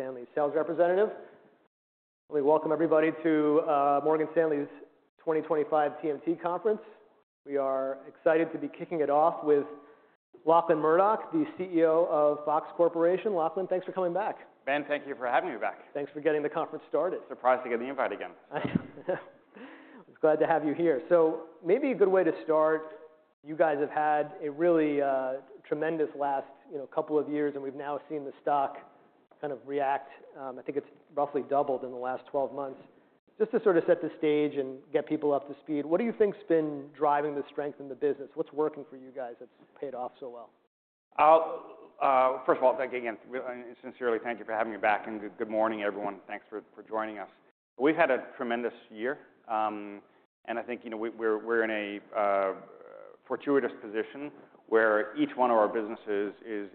Morgan Stanley's sales representative. Let me welcome everybody to Morgan Stanley's 2025 TMT Conference. We are excited to be kicking it off with Lachlan Murdoch, the CEO of Fox Corporation. Lachlan, thanks for coming back. Ben, thank you for having me back. Thanks for getting the conference started. Surprised to get the invite again. I am. I'm glad to have you here. So maybe a good way to start, you guys have had a really, tremendous last, you know, couple of years, and we've now seen the stock kind of react. I think it's roughly doubled in the last 12 months. Just to sort of set the stage and get people up to speed, what do you think's been driving the strength in the business? What's working for you guys that's paid off so well? First of all, thank you again. Really, sincerely, thank you for having me back, and good morning, everyone. Thanks for joining us. We've had a tremendous year. I think, you know, we're in a fortuitous position where each one of our businesses is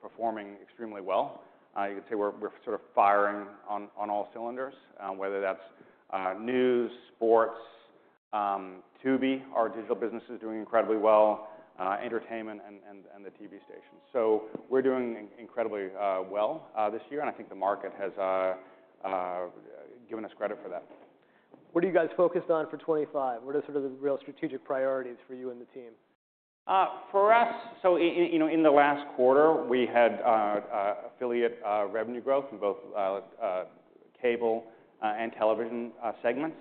performing extremely well. You could say we're sort of firing on all cylinders, whether that's news, sports, Tubi, our digital business is doing incredibly well, entertainment and the TV stations. So we're doing incredibly well this year, and I think the market has given us credit for that. What are you guys focused on for 2025? What are sort of the real strategic priorities for you and the team? For us, so in, you know, in the last quarter, we had affiliate revenue growth in both cable and television segments.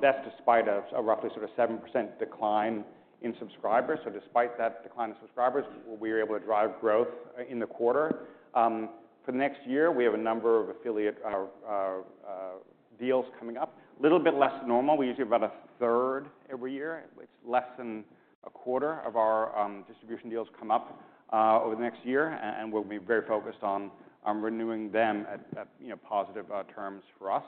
That's despite a roughly sort of 7% decline in subscribers. So despite that decline in subscribers, we were able to drive growth in the quarter. For the next year, we have a number of affiliate deals coming up. A little bit less than normal. We usually have about a third every year. It's less than a quarter of our distribution deals come up over the next year, and we'll be very focused on renewing them at, you know, positive terms for us.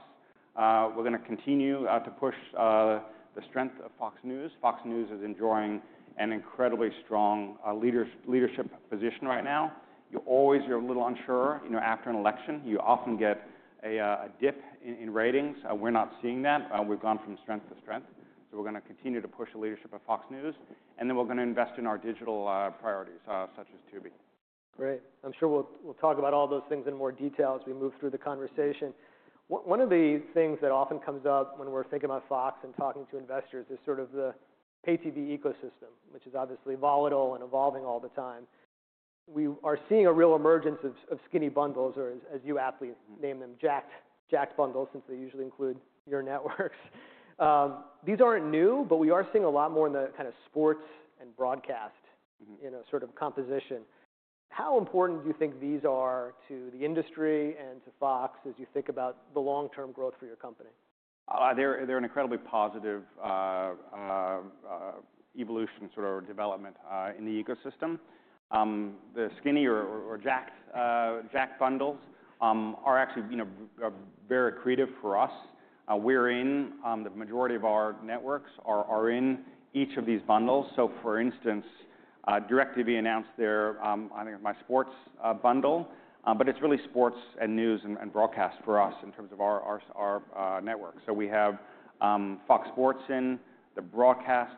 We're gonna continue to push the strength of Fox News. Fox News is enjoying an incredibly strong leadership position right now. You always are a little unsure, you know, after an election, you often get a dip in ratings. We're not seeing that. We've gone from strength to strength, so we're gonna continue to push the leadership of Fox News, and then we're gonna invest in our digital priorities, such as Tubi. Great. I'm sure we'll talk about all those things in more detail as we move through the conversation. One of the things that often comes up when we're thinking about Fox and talking to investors is sort of the pay-TV ecosystem, which is obviously volatile and evolving all the time. We are seeing a real emergence of skinny bundles, or as you aptly name them, genre bundles, since they usually include your networks. These aren't new, but we are seeing a lot more in the kind of sports and broadcast. Mm-hmm. You know, sort of composition. How important do you think these are to the industry and to Fox as you think about the long-term growth for your company? They're an incredibly positive evolution, sort of or development, in the ecosystem. The skinny or jacked bundles are actually, you know, very accretive for us. We're in. The majority of our networks are in each of these bundles. So for instance, DirecTV announced their, I think it was sports, bundle. But it's really sports and news and broadcast for us in terms of our network. So we have Fox Sports, the broadcast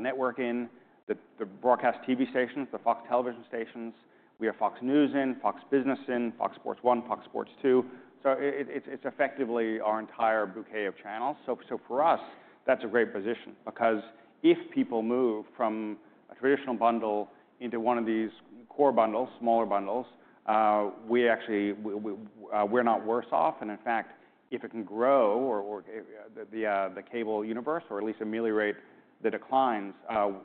network, the broadcast TV stations, the Fox Television Stations. We have Fox News, Fox Business, Fox Sports 1, Fox Sports 2. So it's effectively our entire bouquet of channels. So for us, that's a great position because if people move from a traditional bundle into one of these core bundles, smaller bundles, we actually, we're not worse off. And in fact, if it can grow or the cable universe, or at least ameliorate the declines,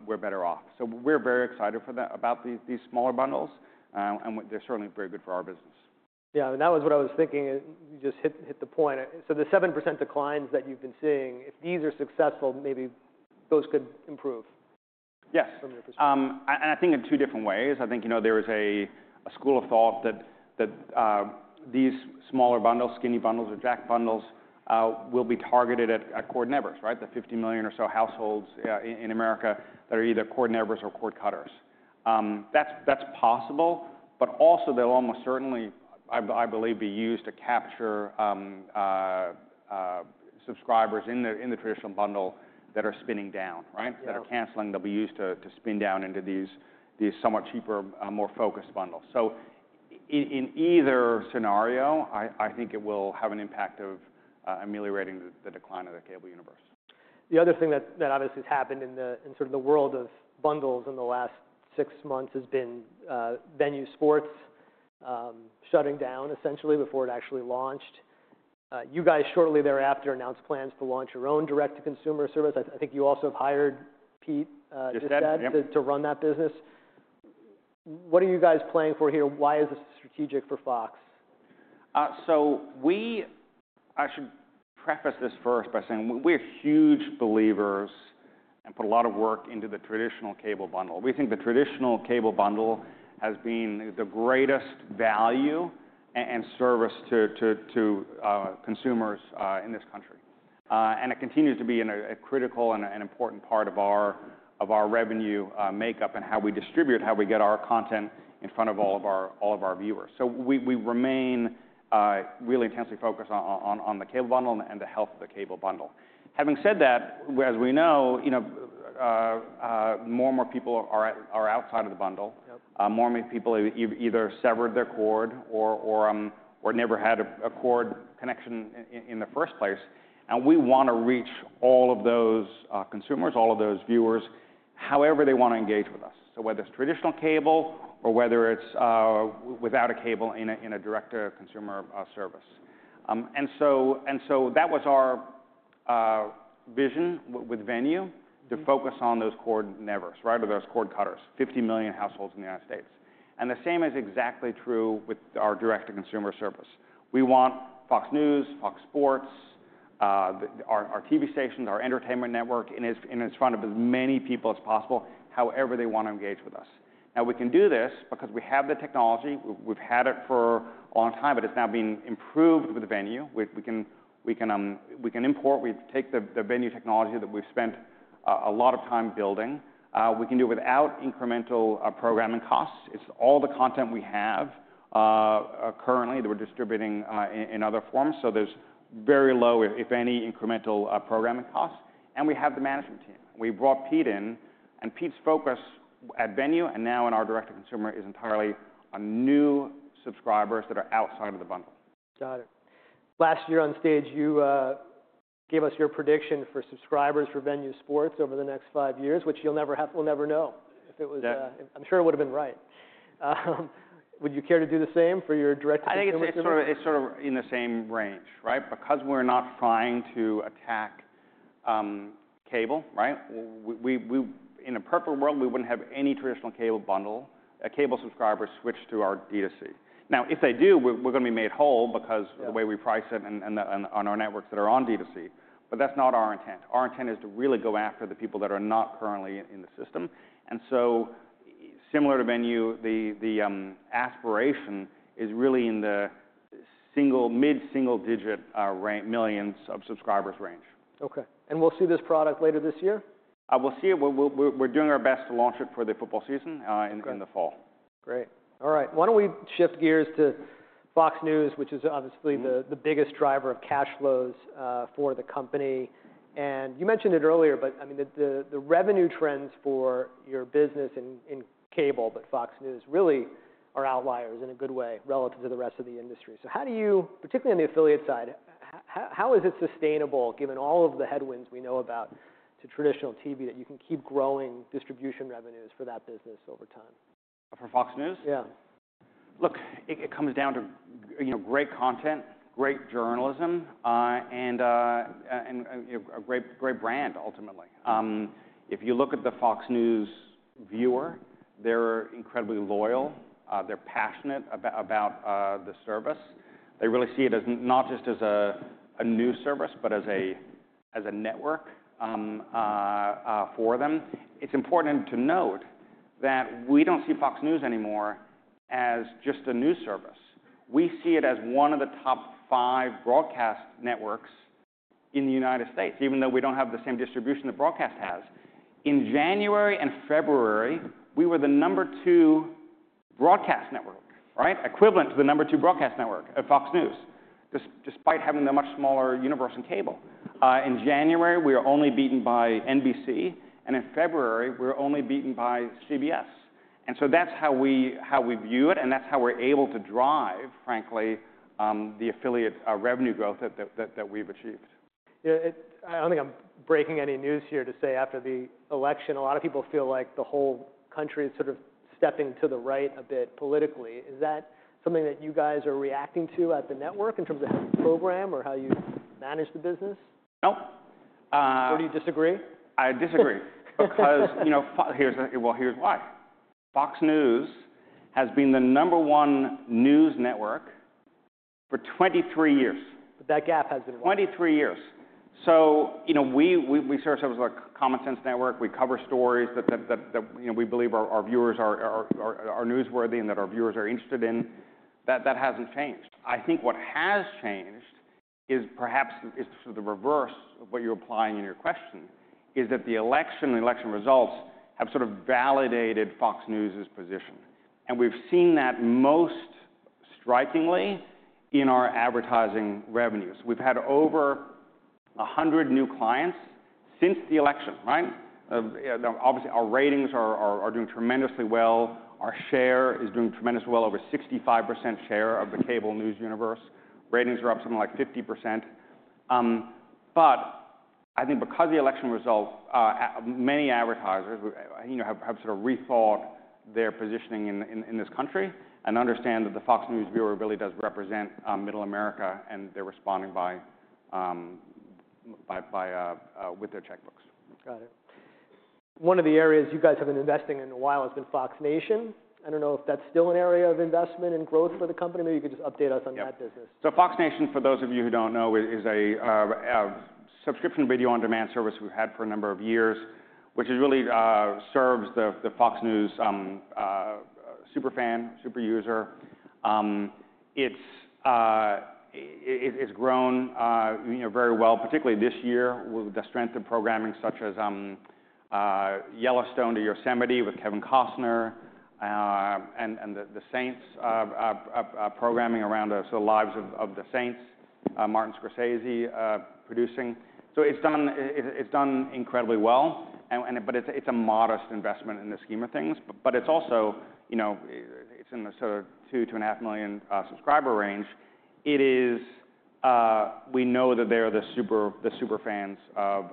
we're better off. So we're very excited about these smaller bundles, and they're certainly very good for our business. Yeah, and that was what I was thinking. You just hit the point. So the 7% declines that you've been seeing, if these are successful, maybe those could improve. Yes. From your perspective. And I think in two different ways. I think, you know, there is a school of thought that these smaller bundles, skinny bundles or jacked bundles, will be targeted at cord-nevers, right? The 50 million or so households in America that are either cord-nevers or cord cutters. That's possible, but also they'll almost certainly, I believe, be used to capture subscribers in the traditional bundle that are spinning down, right? Yeah. That are canceling. They'll be used to spin down into these somewhat cheaper, more focused bundles. So in either scenario, I think it will have an impact of ameliorating the decline of the cable universe. The other thing that obviously has happened in sort of the world of bundles in the last six months has been Venu Sports shutting down essentially before it actually launched. You guys shortly thereafter announced plans to launch your own direct-to-consumer service. I think you also have hired Pete Distad. Yes, I have. set to run that business. What are you guys playing for here? Why is this strategic for Fox? I should preface this first by saying we're huge believers and put a lot of work into the traditional cable bundle. We think the traditional cable bundle has been the greatest value and service to consumers in this country. It continues to be a critical and important part of our revenue makeup and how we distribute, how we get our content in front of all of our viewers. So we remain really intensely focused on the cable bundle and the health of the cable bundle. Having said that, as we know, you know, more and more people are outside of the bundle. Yep. More and more people have either severed their cord or never had a cord connection in the first place. We wanna reach all of those consumers, all of those viewers, however they wanna engage with us. Whether it's traditional cable or whether it's without a cable in a direct-to-consumer service, that was our vision with Venu to focus on those cord-nevers, right, or those cord cutters, 50 million households in the United States. The same is exactly true with our direct-to-consumer service. We want Fox News, Fox Sports, our TV stations, our entertainment network in front of as many people as possible, however they wanna engage with us. Now, we can do this because we have the technology. We've had it for a long time, but it's now been improved with Venu. We can import. We take the Venu technology that we've spent a lot of time building. We can do it without incremental programming costs. It's all the content we have currently that we're distributing in other forms. So there's very low, if any, incremental programming costs. And we have the management team. We brought Pete in, and Pete's focus at Venu and now in our direct-to-consumer is entirely on new subscribers that are outside of the bundle. Got it. Last year on stage, you, gave us your prediction for subscribers for Venu Sports over the next five years, which you'll never have, will never know if it was, Yeah. I'm sure it would've been right. Would you care to do the same for your direct-to-consumer? I think it's sort of, it's sort of in the same range, right? Because we're not trying to attack cable, right? We, in a perfect world, we wouldn't have any traditional cable bundle cable subscribers switch to our DTC. Now, if they do, we're gonna be made whole because of the way we price it and the carriage on our networks that are on DTC. But that's not our intent. Our intent is to really go after the people that are not currently in the system. And so, similar to Venu, the aspiration is really in the mid-single-digit millions of subscribers range. Okay. And we'll see this product later this year? We'll see it. We're doing our best to launch it for the football season, in the fall. Okay. Great. All right. Why don't we shift gears to Fox News, which is obviously the biggest driver of cash flows for the company. And you mentioned it earlier, but I mean, the revenue trends for your business in cable, but Fox News really are outliers in a good way relative to the rest of the industry. So how do you, particularly on the affiliate side, how is it sustainable, given all of the headwinds we know about to traditional TV, that you can keep growing distribution revenues for that business over time? For Fox News? Yeah. Look, it comes down to, you know, great content, great journalism, and a great, great brand ultimately. If you look at the Fox News viewer, they're incredibly loyal. They're passionate about the service. They really see it as not just a new service, but as a network for them. It's important to note that we don't see Fox News anymore as just a news service. We see it as one of the top five broadcast networks in the United States, even though we don't have the same distribution that broadcast has. In January and February, we were the number two broadcast network, right? Equivalent to the number two broadcast network of Fox News, despite having the much smaller universe in cable. In January, we were only beaten by NBC, and in February, we were only beaten by CBS. And so that's how we view it, and that's how we're able to drive, frankly, the affiliate revenue growth that we've achieved. You know, I don't think I'm breaking any news here to say after the election, a lot of people feel like the whole country is sort of stepping to the right a bit politically. Is that something that you guys are reacting to at the network in terms of how you program or how you manage the business? No. Or do you disagree? I disagree. Okay. Because, you know, Fox, well, here's why. Fox News has been the number one news network for 23 years. That gap has been what? 23 years. So, you know, we serve as a common sense network. We cover stories that, you know, we believe our viewers are newsworthy and that our viewers are interested in. That hasn't changed. I think what has changed is perhaps sort of the reverse of what you're implying in your question, is that the election and election results have sort of validated Fox News' position. And we've seen that most strikingly in our advertising revenues. We've had over 100 new clients since the election, right? You know, obviously, our ratings are doing tremendously well. Our share is doing tremendously well. Over 65% share of the cable news universe. Ratings are up something like 50%. But I think because the election result, many advertisers, you know, have sort of rethought their positioning in this country and understand that the Fox News viewer really does represent middle America, and they're responding by with their checkbooks. Got it. One of the areas you guys have been investing in a while has been Fox Nation. I don't know if that's still an area of investment and growth for the company. Maybe you could just update us on that business. Yeah. So Fox Nation, for those of you who don't know, is a subscription video on demand service we've had for a number of years, which really serves the Fox News super fan, super user. It's grown, you know, very well, particularly this year with the strength of programming such as Yellowstone 150, Yosemite with Kevin Costner, and the Saints programming around sort of lives of the Saints, Martin Scorsese producing. So it's done incredibly well. And it, but it's a modest investment in the scheme of things. But it's also, you know, it's in the sort of two and a half million subscriber range. It is. We know that they're the super fans of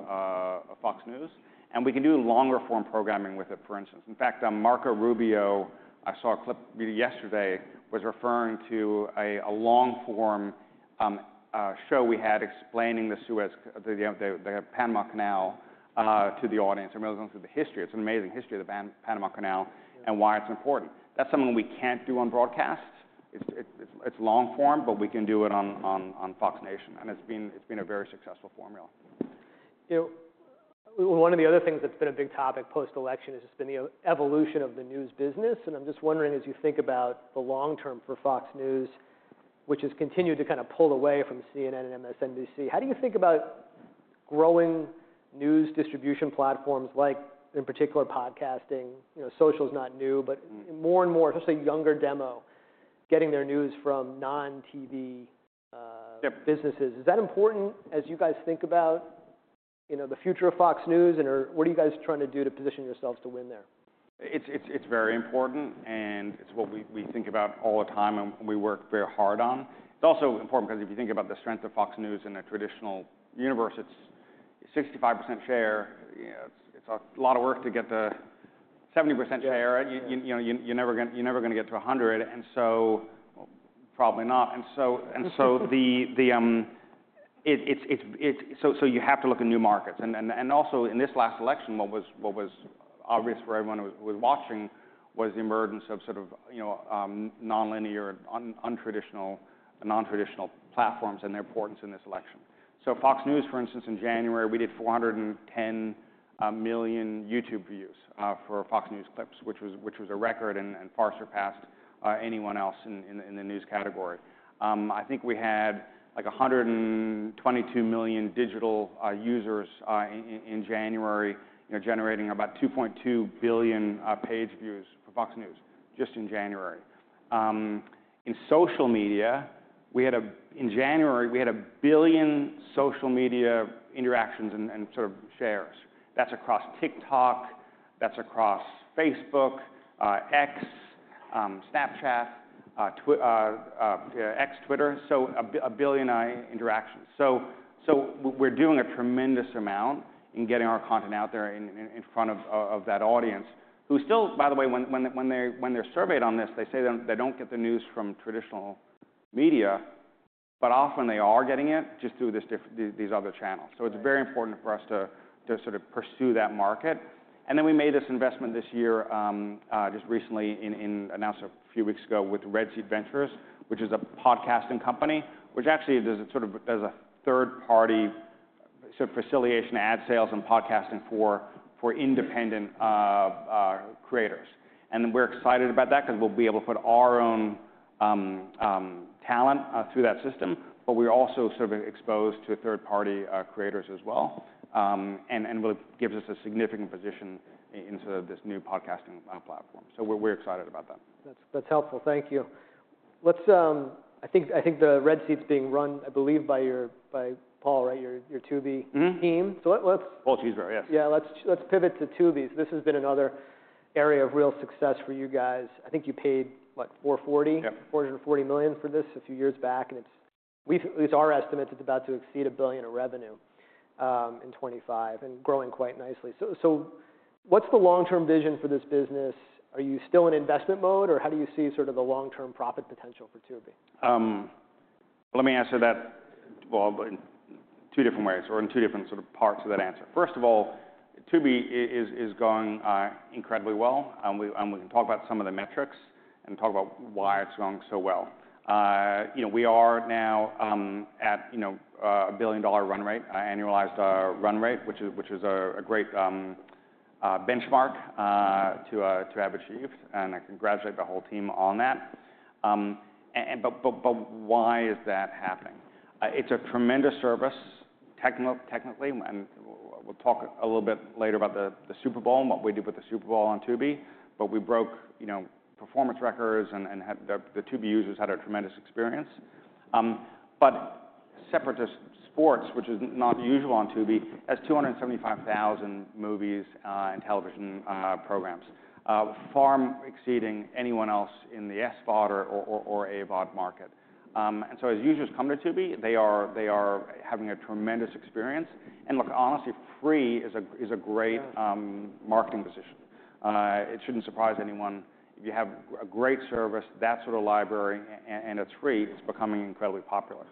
Fox News, and we can do longer form programming with it, for instance. In fact, Marco Rubio, I saw a clip yesterday, was referring to a long form show we had explaining the Suez, the Panama Canal, to the audience and really going through the history. It's an amazing history of the Panama Canal and why it's important. That's something we can't do on broadcast. It's long form, but we can do it on Fox Nation, and it's been a very successful formula. You know, one of the other things that's been a big topic post-election has just been the evolution of the news business. And I'm just wondering, as you think about the long term for Fox News, which has continued to kind of pull away from CNN and MSNBC, how do you think about growing news distribution platforms like, in particular, podcasting? You know, social's not new, but more and more, especially younger demo, getting their news from non-TV, Yep. Businesses. Is that important as you guys think about, you know, the future of Fox News and, or what are you guys trying to do to position yourselves to win there? It's very important, and it's what we think about all the time and we work very hard on. It's also important because if you think about the strength of Fox News in a traditional universe, it's 65% share. You know, it's a lot of work to get the 70% share. Yeah. You know, you're never gonna get to 100. And so, probably not. And so, it's so you have to look at new markets. And also in this last election, what was obvious for everyone who was watching was the emergence of sort of, you know, non-linear and non-traditional platforms and their importance in this election. So Fox News, for instance, in January, we did 410 million YouTube views for Fox News clips, which was a record and far surpassed anyone else in the news category. I think we had like 122 million digital users in January, you know, generating about 2.2 billion page views for Fox News just in January. In social media, in January, we had a billion social media interactions and sort of shares. That's across TikTok, Facebook, X, Snapchat, Twitch, X, Twitter. So a billion interactions. So we're doing a tremendous amount in getting our content out there in front of that audience who still, by the way, when they're surveyed on this, they say they don't get the news from traditional media, but often they are getting it just through these other channels. So it's very important for us to sort of pursue that market. And then we made this investment this year, just recently in Red Seat Ventures, announced a few weeks ago, which is a podcasting company, which actually does a sort of third-party facilitation ad sales and podcasting for independent creators. And we're excited about that because we'll be able to put our own talent through that system, but we're also sort of exposed to third-party creators as well. And it gives us a significant position in sort of this new podcasting platform. So we're excited about that. That's helpful. Thank you. Let's, I think the Red Seat's being run, I believe, by Paul, right? Your Tubi. Mm-hmm. Team. So let's. Paul Cheesbrough, yes. Yeah. Let's, let's pivot to Tubi. So this has been another area of real success for you guys. I think you paid, what, $440. Yep. $440 million for this a few years back, and it's, we've, at least our estimate, it's about to exceed $1 billion of revenue, in 2025 and growing quite nicely. So, so what's the long-term vision for this business? Are you still in investment mode, or how do you see sort of the long-term profit potential for Tubi? Let me answer that well in two different ways or in two different sort of parts of that answer. First of all, Tubi is going incredibly well. We can talk about some of the metrics and talk about why it's going so well. You know, we are now at a billion-dollar annualized run rate, which is a great benchmark to have achieved. I congratulate the whole team on that. But why is that happening? It's a tremendous service technically. We'll talk a little bit later about the Super Bowl and what we did with the Super Bowl on Tubi. But we broke performance records, you know, and the Tubi users had a tremendous experience. But separate to sports, which is not usual on Tubi, has 275,000 movies and television programs, far exceeding anyone else in the SVOD or AVOD market. So as users come to Tubi, they are having a tremendous experience. And look, honestly, free is a great. Mm-hmm. marketing position. It shouldn't surprise anyone if you have a great service, that sort of library, and it's free, it's becoming incredibly popular.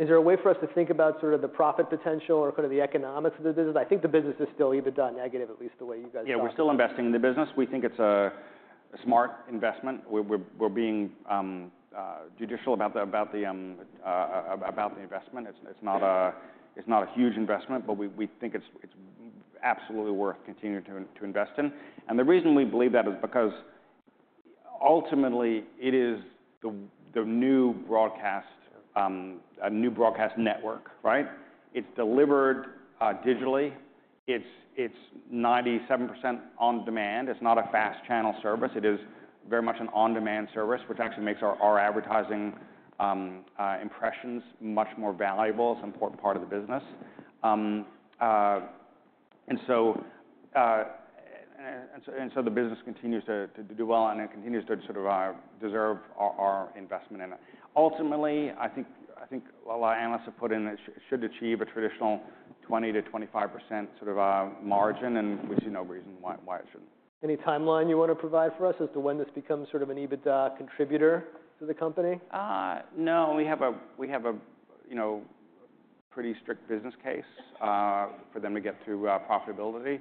Is there a way for us to think about sort of the profit potential or kind of the economics of the business? I think the business is still either down negative, at least the way you guys are. Yeah. We're still investing in the business. We think it's a smart investment. We're being judicious about the investment. It's not a huge investment, but we think it's absolutely worth continuing to invest in. And the reason we believe that is because ultimately it is a new broadcast network, right? It's delivered digitally. It's 97% on demand. It's not a fast channel service. It is very much an on-demand service, which actually makes our advertising impressions much more valuable. It's an important part of the business, and so the business continues to do well and it continues to sort of deserve our investment in it. Ultimately, I think a lot of analysts have put in that it should achieve a traditional 20%-25% sort of margin, and we see no reason why it shouldn't. Any timeline you want to provide for us as to when this becomes sort of an EBITDA contributor to the company? No. We have a, you know, pretty strict business case for them to get to profitability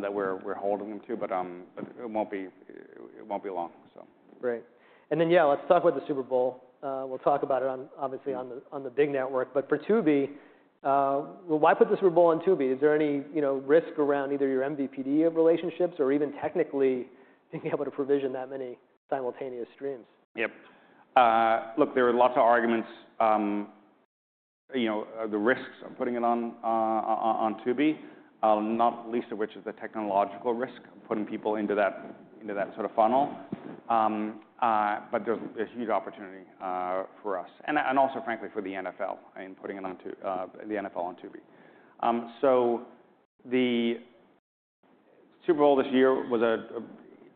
that we're holding them to, but it won't be long, so. Great. And then, yeah, let's talk about the Super Bowl. We'll talk about it on, obviously, on the, on the big network. But for Tubi, well, why put the Super Bowl on Tubi? Is there any, you know, risk around either your MVPD relationships or even technically being able to provision that many simultaneous streams? Yep. Look, there are lots of arguments, you know, the risks of putting it on Tubi, not least of which is the technological risk of putting people into that sort of funnel. But there's a huge opportunity for us and also, frankly, for the NFL and putting it on Tubi, the NFL on Tubi. So the Super Bowl this year,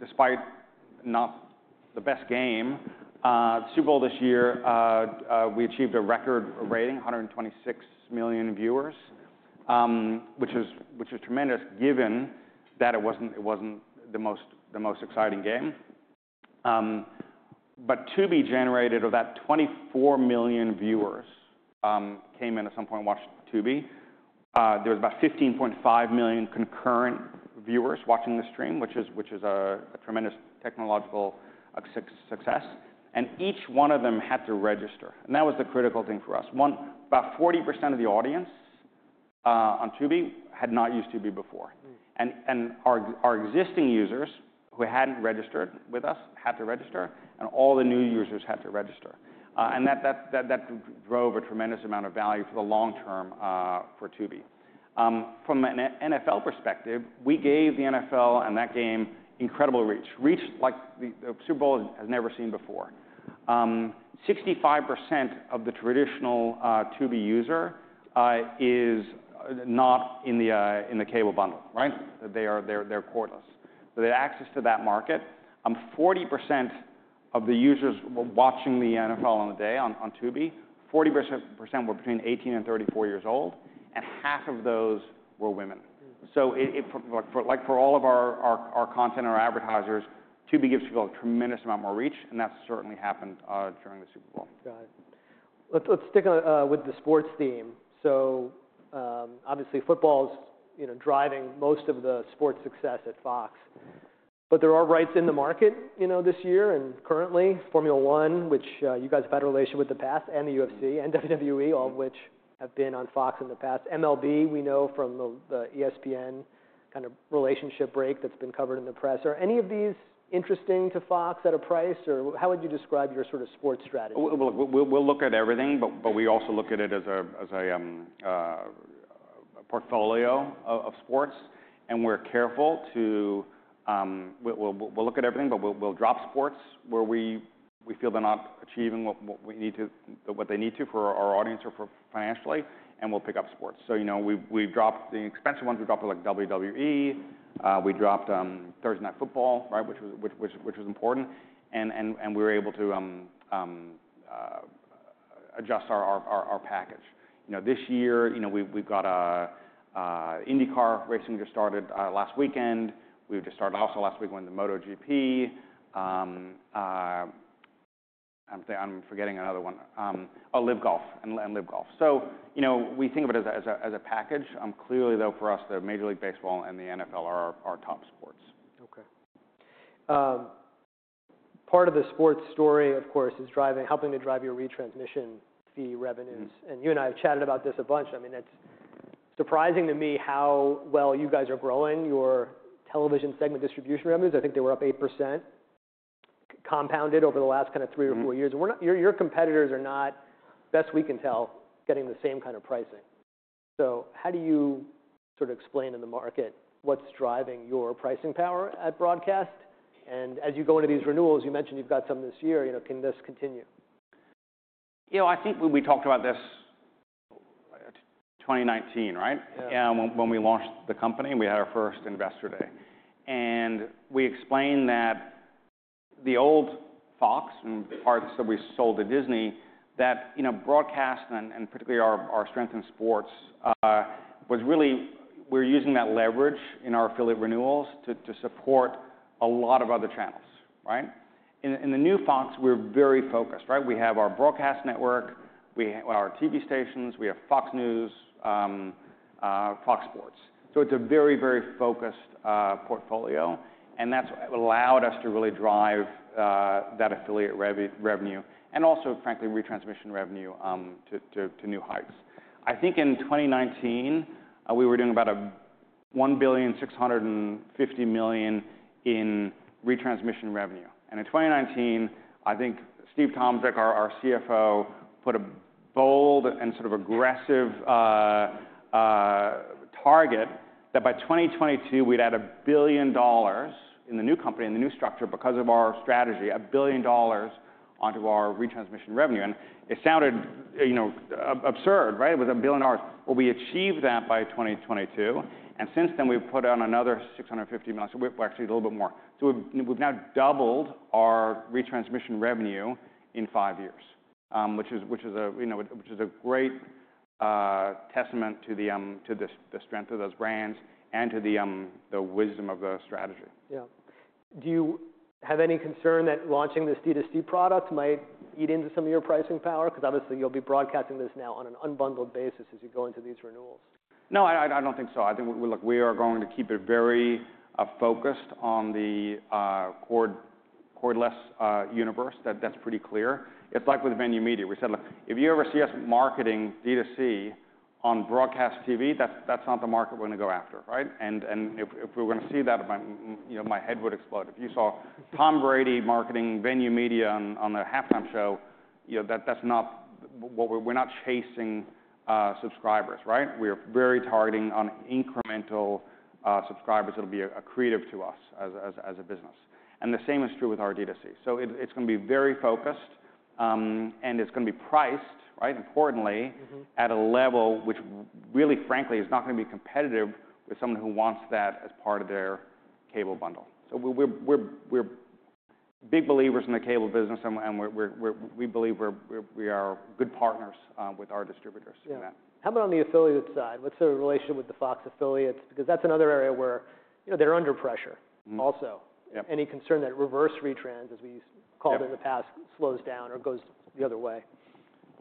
despite not the best game, the Super Bowl this year, we achieved a record rating, 126 million viewers, which was tremendous given that it wasn't the most exciting game. But Tubi generated about 24 million viewers, came in at some point, watched Tubi. There was about 15.5 million concurrent viewers watching the stream, which is a tremendous technological success. And each one of them had to register. And that was the critical thing for us. One, about 40% of the audience on Tubi had not used Tubi before. And our existing users who hadn't registered with us had to register, and all the new users had to register. And that drove a tremendous amount of value for the long term for Tubi. From an NFL perspective, we gave the NFL and that game incredible reach like the Super Bowl has never seen before. 65% of the traditional Tubi user is not in the cable bundle, right? They are cordless. So they had access to that market. 40% of the users watching the NFL on the day on Tubi, 40% were between 18 and 34 years old, and half of those were women. It, like, for all of our content and our advertisers, Tubi gives people a tremendous amount more reach, and that's certainly happened during the Super Bowl. Got it. Let's, let's stick on with the sports theme. So, obviously football's, you know, driving most of the sports success at Fox. But there are rights in the market, you know, this year and currently Formula One, which you guys have had a relationship with the past, and the UFC and WWE, all of which have been on Fox in the past. MLB, we know from the ESPN kind of relationship break that's been covered in the press. Are any of these interesting to Fox at a price, or how would you describe your sort of sports strategy? Look, we'll look at everything, but we also look at it as a portfolio of sports. And we're careful to look at everything, but we'll drop sports where we feel they're not achieving what we need to, what they need to for our audience or financially, and we'll pick up sports. So, you know, we've dropped the expensive ones. We dropped like WWE. We dropped Thursday Night Football, right, which was important. And we were able to adjust our package. You know, this year, we've got IndyCar racing just started last weekend. We just started also last week when the MotoGP. I'm forgetting another one. Oh, LIV Golf and LIV Golf. You know, we think of it as a package. Clearly, though, for us, the Major League Baseball and the NFL are our top sports. Okay. Part of the sports story, of course, is driving, helping to drive your retransmission fee revenues. And you and I have chatted about this a bunch. I mean, it's surprising to me how well you guys are growing your television segment distribution revenues. I think they were up 8% compounded over the last kind of three or four years. And we're not, your competitors are not, best we can tell, getting the same kind of pricing. So how do you sort of explain in the market what's driving your pricing power at broadcast? And as you go into these renewals, you mentioned you've got some this year. You know, can this continue? You know, I think we talked about this 2019, right? Yeah. And when we launched the company, we had our first investor day. And we explained that the old Fox and parts that we sold to Disney, that, you know, broadcast and particularly our strength in sports, was really, we're using that leverage in our affiliate renewals to support a lot of other channels, right? In the new Fox, we're very focused, right? We have our broadcast network, we have our TV stations, we have Fox News, Fox Sports. So it's a very focused portfolio. And that's what allowed us to really drive that affiliate revenue and also, frankly, retransmission revenue to new heights. I think in 2019, we were doing about $1.65 billion in retransmission revenue. In 2019, I think Steve Tomsic, our CFO, put a bold and sort of aggressive target that by 2022 we'd add $1 billion in the new company and the new structure because of our strategy, $1 billion onto our retransmission revenue. It sounded, you know, absurd, right? It was $1 billion. We achieved that by 2022. Since then we've put on another $650 million. So we're actually a little bit more. We've now doubled our retransmission revenue in five years, which is, you know, a great testament to the strength of those brands and to the wisdom of the strategy. Yeah. Do you have any concern that launching this D2C product might eat into some of your pricing power? Because obviously you'll be broadcasting this now on an unbundled basis as you go into these renewals. No, I don't think so. I think, look, we are going to keep it very focused on the cordless universe. That's pretty clear. It's like with Venu. We said, look, if you ever see us marketing D2C on broadcast TV, that's not the market we're gonna go after, right? And if we were gonna see that, you know, my head would explode. If you saw Tom Brady marketing Venu on a halftime show, you know, that's not what we're not chasing subscribers, right? We are very targeting on incremental subscribers that'll be accretive to us as a business. And the same is true with our D2C. So it's gonna be very focused, and it's gonna be priced right, importantly. Mm-hmm. At a level which really, frankly, is not gonna be competitive with someone who wants that as part of their cable bundle. So we're big believers in the cable business and we believe we are good partners with our distributors in that. Yeah. How about on the affiliate side? What's the relationship with the Fox affiliates? Because that's another area where, you know, they're under pressure also. Yep. Any concern that reverse retrans, as we called it in the past, slows down or goes the other way?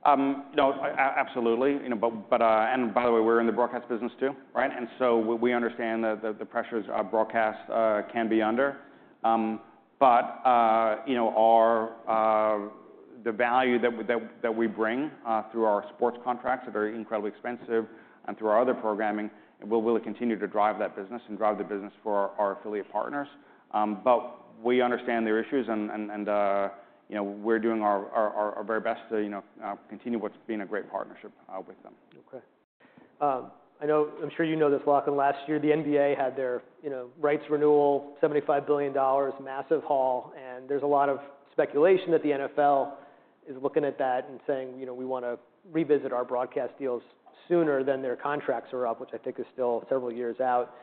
No, absolutely. You know, but and by the way, we're in the broadcast business too, right? And so we understand that the pressures our broadcast can be under, but you know, the value that we bring through our sports contracts that are incredibly expensive and through our other programming, we'll really continue to drive that business and drive the business for our affiliate partners, but we understand their issues and you know, we're doing our very best to you know, continue what's been a great partnership with them. Okay. I know, I'm sure you know this, Lachlan, last year the NBA had their, you know, rights renewal, $75 billion, massive haul, and there's a lot of speculation that the NFL is looking at that and saying, you know, we wanna revisit our broadcast deals sooner than their contracts are up, which I think is still several years out.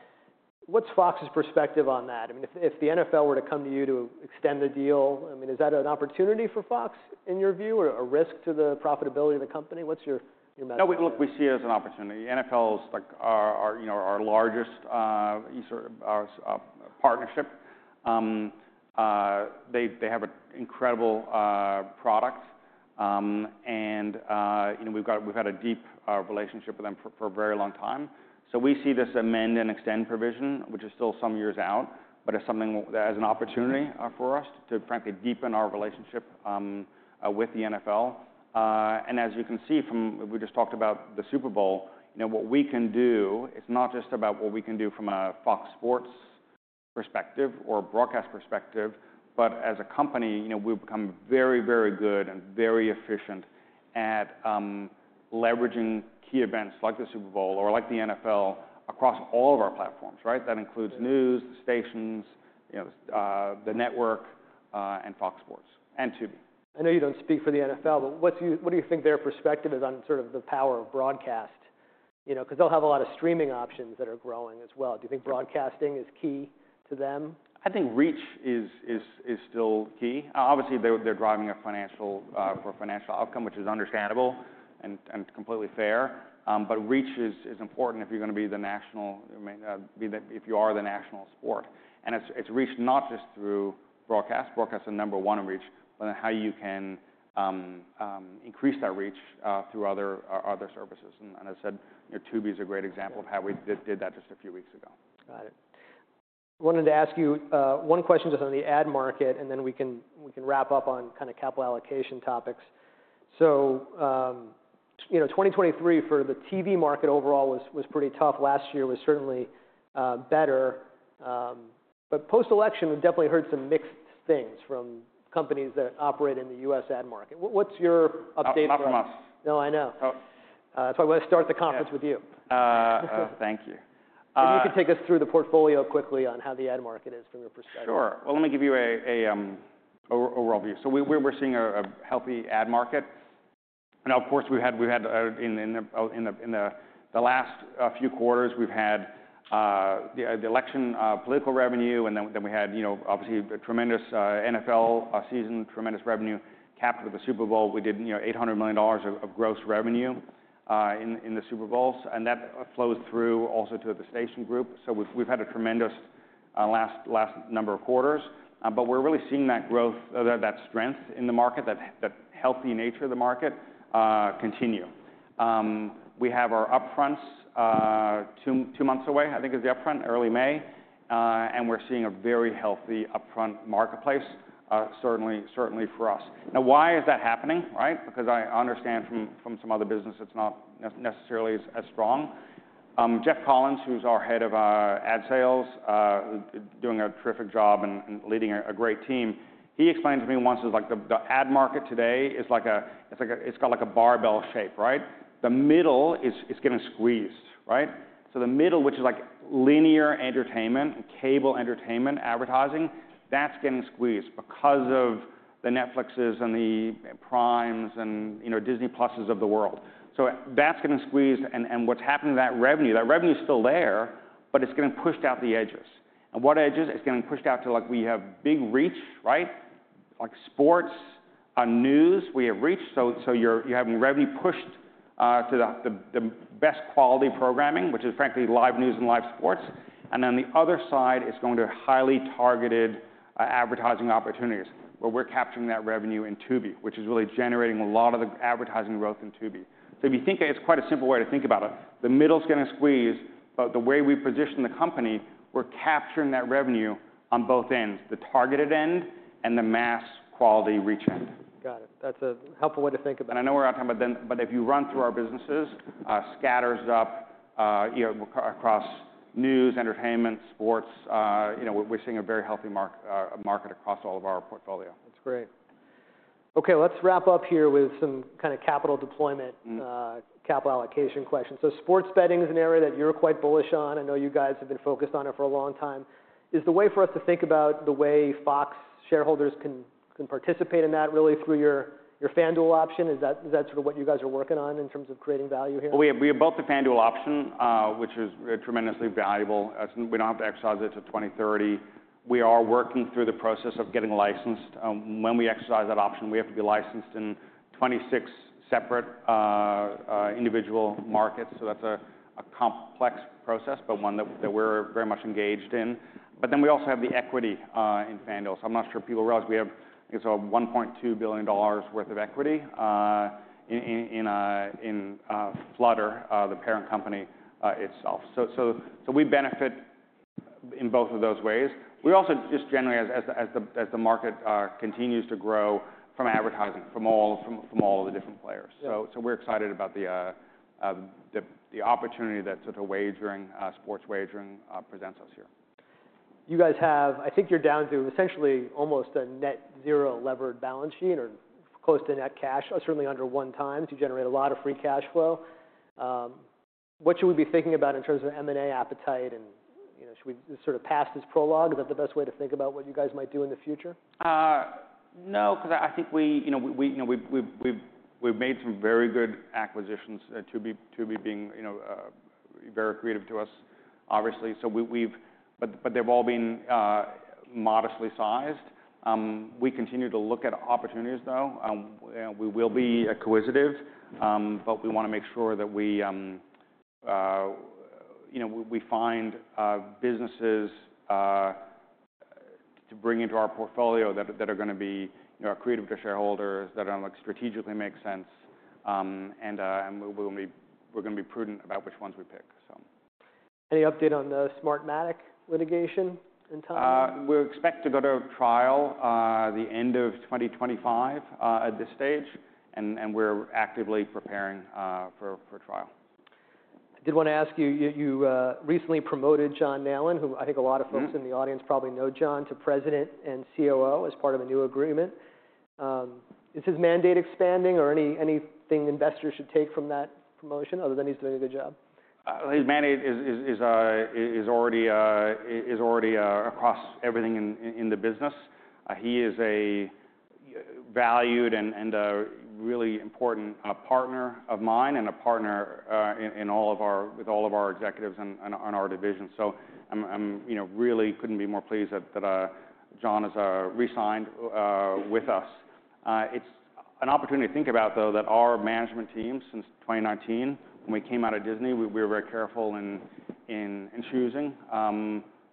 What's Fox's perspective on that? I mean, if the NFL were to come to you to extend the deal, I mean, is that an opportunity for Fox in your view or a risk to the profitability of the company? What's your message? No, look, we see it as an opportunity. NFL's like our you know our largest sort of partnership. They have an incredible product. And you know we've had a deep relationship with them for a very long time. So we see this amend and extend provision, which is still some years out, but it's something that is an opportunity for us to frankly deepen our relationship with the NFL. And as you can see from we just talked about the Super Bowl, you know, what we can do, it's not just about what we can do from a Fox Sports perspective or broadcast perspective, but as a company, you know, we've become very very good and very efficient at leveraging key events like the Super Bowl or like the NFL across all of our platforms, right? That includes news, the stations, you know, the network, and Fox Sports and Tubi. I know you don't speak for the NFL, but what do you think their perspective is on sort of the power of broadcast, you know, 'cause they'll have a lot of streaming options that are growing as well. Do you think broadcasting is key to them? I think reach is still key. Obviously they're driving a financial outcome, which is understandable and completely fair. But reach is important if you're gonna be the national sport. And it's reach not just through broadcast. Broadcast is number one in reach, but then how you can increase that reach through other services. And as I said, you know, Tubi's a great example of how we did that just a few weeks ago. Got it. Wanted to ask you one question just on the ad market, and then we can wrap up on kind of capital allocation topics. So, you know, 2023 for the TV market overall was pretty tough. Last year was certainly better, but post-election, we've definitely heard some mixed things from companies that operate in the U.S. ad market. What's your update for us? Not from us. No, I know. That's why I wanna start the conference with you. thank you. You can take us through the portfolio quickly on how the ad market is from your perspective? Sure. Well, let me give you an overall view. So we're seeing a healthy ad market. Now, of course, we've had in the last few quarters the election political revenue, and then we had, you know, obviously a tremendous NFL season, tremendous revenue capped with the Super Bowl. We did, you know, $800 million of gross revenue in the Super Bowl. And that flows through also to the station group. So we've had a tremendous last number of quarters. But we're really seeing that growth, that strength in the market, that healthy nature of the market continue. We have our upfronts two months away. I think is the upfront early May. And we're seeing a very healthy upfront marketplace, certainly for us. Now, why is that happening, right? Because I understand from some other business, it's not necessarily as strong. Jeff Collins, who's our head of ad sales, doing a terrific job and leading a great team. He explained to me once it's like the ad market today is like a barbell shape, right? The middle is getting squeezed, right? So the middle, which is like linear entertainment and cable entertainment advertising, that's getting squeezed because of the Netflixes and the Primes and, you know, Disney Pluses of the world. So that's getting squeezed. And what's happened to that revenue? That revenue's still there, but it's getting pushed out the edges. And what edges? It's getting pushed out to like we have big reach, right? Like sports, news, we have reach. So you're having revenue pushed to the best quality programming, which is frankly live news and live sports. And then the other side is going to highly targeted advertising opportunities where we're capturing that revenue in Tubi, which is really generating a lot of the advertising growth in Tubi. So if you think it's quite a simple way to think about it, the middle's getting squeezed, but the way we position the company, we're capturing that revenue on both ends, the targeted end and the mass quality reach end. Got it. That's a helpful way to think about it. I know we're out of time, but if you run through our businesses, scatter's up, you know, across news, entertainment, sports, you know, we're seeing a very healthy market across all of our portfolio. That's great. Okay. Let's wrap up here with some kind of capital deployment, capital allocation questions. So sports betting's an area that you're quite bullish on. I know you guys have been focused on it for a long time. Is the way for us to think about the way Fox shareholders can participate in that really through your FanDuel option? Is that sort of what you guys are working on in terms of creating value here? Well, we have both the FanDuel option, which is tremendously valuable. We don't have to exercise it to 2030. We are working through the process of getting licensed. When we exercise that option, we have to be licensed in 26 separate, individual markets. So that's a complex process, but one that we're very much engaged in. But then we also have the equity in FanDuel. So I'm not sure people realize we have, I think it's about $1.2 billion worth of equity in Flutter, the parent company, itself. So we benefit in both of those ways. We also just generally, as the market continues to grow from advertising from all of the different players. So we're excited about the opportunity that sort of wagering, sports wagering, presents us here. You guys have, I think you're down to essentially almost a net zero levered balance sheet or close to net cash, certainly under one time. So you generate a lot of free cash flow. What should we be thinking about in terms of M&A appetite and, you know, should we sort of pass this prologue? Is that the best way to think about what you guys might do in the future? No, 'cause I think we, you know, we've made some very good acquisitions. Tubi being, you know, very accretive to us, obviously. So, but they've all been modestly sized. We continue to look at opportunities though. You know, we will be acquisitive, but we wanna make sure that we, you know, find businesses to bring into our portfolio that are gonna be, you know, accretive to shareholders that are like strategically make sense, and we're gonna be prudent about which ones we pick, so. Any update on the Smartmatic litigation and time? We're expected to go to trial, the end of 2025, at this stage. And we're actively preparing for trial. I did wanna ask you, you recently promoted John Nallen, who I think a lot of folks in the audience probably know John, to President and COO as part of a new agreement. Is his mandate expanding or anything investors should take from that promotion other than he's doing a good job? His mandate is already across everything in the business. He is a valued and really important partner of mine and a partner with all of our executives and on our division. So I'm, you know, really couldn't be more pleased that John is re-signed with us. It's an opportunity to think about though that our management team since 2019, when we came out of Disney, we were very careful in choosing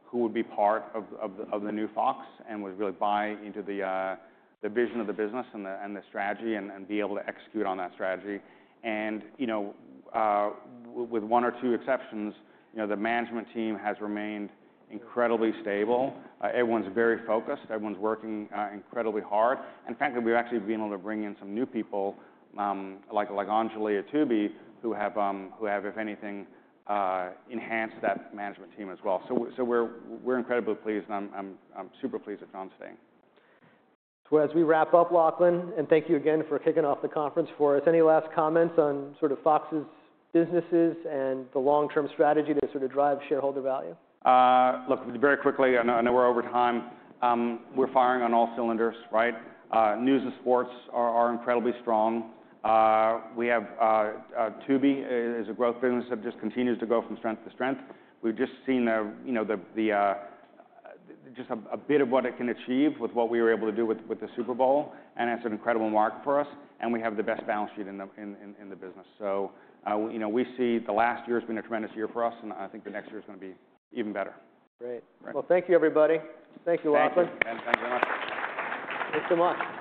who would be part of the new Fox and would really buy into the vision of the business and the strategy and be able to execute on that strategy. You know, with one or two exceptions, you know, the management team has remained incredibly stable. Everyone's very focused. Everyone's working incredibly hard. Frankly, we've actually been able to bring in some new people, like Anjali Sud, who have, if anything, enhanced that management team as well. So we're incredibly pleased and I'm super pleased with John staying. So as we wrap up, Lachlan, and thank you again for kicking off the conference for us. Any last comments on sort of Fox's businesses and the long-term strategy to sort of drive shareholder value? Look, very quickly, I know, I know we're over time. We're firing on all cylinders, right? News and sports are incredibly strong. We have Tubi is a growth business that just continues to go from strength to strength. We've just seen you know just a bit of what it can achieve with what we were able to do with the Super Bowl. And that's an incredible mark for us. And we have the best balance sheet in the business. So, you know, we see the last year has been a tremendous year for us. And I think the next year's gonna be even better. Great. Well, thank you, everybody. Thank you, Lachlan. Thanks. Thanks very much. Thanks so much.